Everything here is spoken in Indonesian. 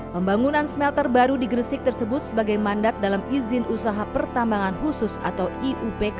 pembangunan smelter baru di gresik tersebut sebagai mandat dalam izin usaha pertambangan khusus atau iupk